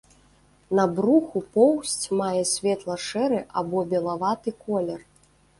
На бруху поўсць мае светла-шэры або белаваты колер.